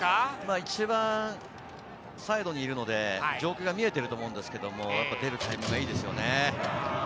一番サイドにいるので、状況が見えてると思うんですけれど、出るタイミングがいいですよね。